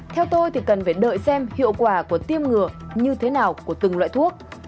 theo tôi thì cần phải đợi xem hiệu quả của tiêm ngừa như thế nào của từng loại thuốc